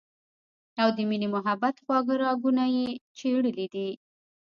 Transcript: او د مينې محبت خواږۀ راګونه ئې چېړلي دي